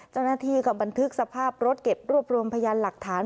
เจ้าหน้าที่ก็บันทึกสภาพรถเก็บรวบรวมพยานหลักฐาน